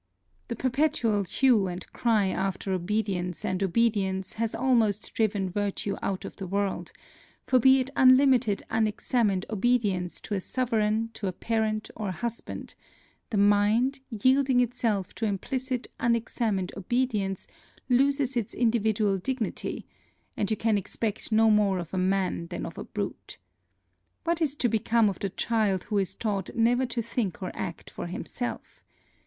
The perpetual hue and cry after obedience and obedience has almost driven virtue out of the world, for be it unlimited unexamined obedience to a sovereign, to a parent, or husband, the mind, yielding itself to implicit unexamined obedience, loses its individual dignity, and you can expect no more of a man than of a brute. What is to become of the child who is taught never to think or act for himself?